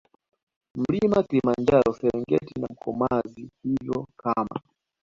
Mlima Kilimanjaro Serengeti na Mkomazi Hivyo kama